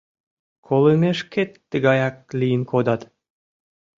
Колымешкет тыгаяк лийын кодат.